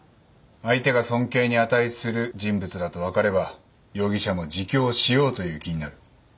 相手が尊敬に値する人物だと分かれば容疑者も自供しようという気になる。